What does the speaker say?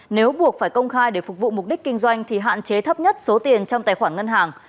nếu buộc phải công khai để phục vụ mục đích kinh doanh thì hạn chế thấp nhất số tiền trong tài khoản ngân hàng